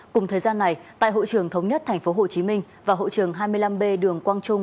cùng thời gian này tại hội trường thống nhất tp hcm và hội trường hai mươi năm b đường quang trung